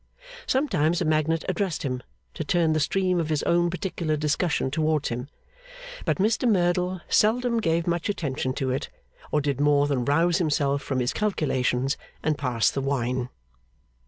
Sometimes a magnate addressed him, to turn the stream of his own particular discussion towards him; but Mr Merdle seldom gave much attention to it, or did more than rouse himself from his calculations and pass the wine.